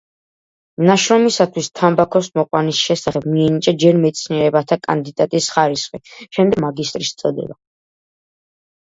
ნაშრომისათვის „თამბაქოს მოყვანის შესახებ“ მიენიჭა ჯერ მეცნიერებათა კანდიდატის ხარისხი, შემდეგ მაგისტრის წოდება.